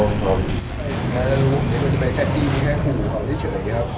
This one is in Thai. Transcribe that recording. นานารูมนี้มันจะไปแค่ดีแค่หูของนี่เฉยครับ